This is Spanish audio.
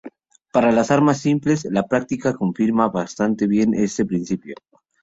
Para las armas simples, la práctica confirma bastante bien este principio.